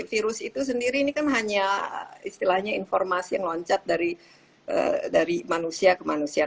virus itu sendiri ini kan hanya istilahnya informasi yang loncat dari manusia ke manusia